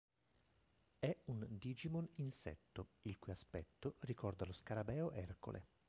È un Digimon insetto, il cui aspetto ricorda lo scarabeo ercole.